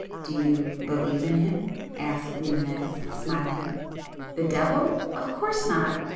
"Do you believe in him?" asked Rimânez smiling. "The devil? of course not!"